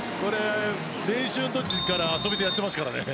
練習のときから遊びでやっていますからね。